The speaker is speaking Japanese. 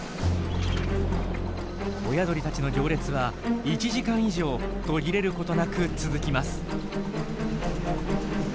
親鳥たちの行列は１時間以上途切れることなく続きます。